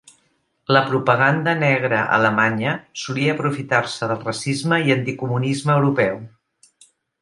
La propaganda negra alemanya solia aprofitar-se del racisme i anticomunisme europeu.